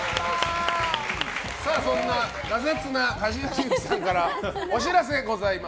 そんなガサツな柏木さんからお知らせがございます。